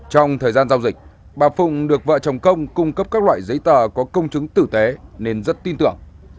trong thời gian giao dịch bà phụng được vợ chồng công cung cấp các loại giấy tờ có công chứng tử tế nên rất tin tưởng